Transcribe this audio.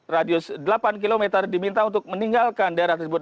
radius delapan km diminta untuk meninggalkan daerah tersebut